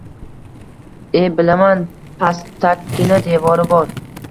– E, bilaman, pastakkina devori bor